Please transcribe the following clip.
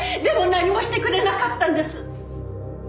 でも何もしてくれなかったんです。